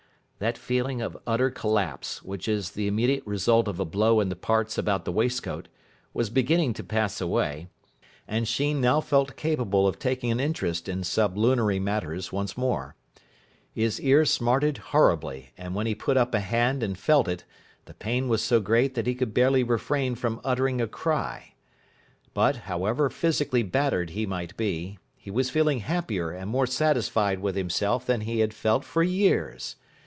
That feeling of utter collapse, which is the immediate result of a blow in the parts about the waistcoat, was beginning to pass away, and Sheen now felt capable of taking an interest in sublunary matters once more. His ear smarted horribly, and when he put up a hand and felt it the pain was so great that he could barely refrain from uttering a cry. But, however physically battered he might be, he was feeling happier and more satisfied with himself than he had felt for years.